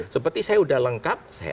seperti saya sudah lengkap